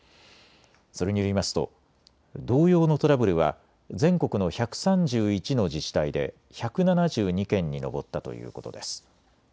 それによりますと同様のトラブルは全国の１３１の自治体で１７２件に上ったということです。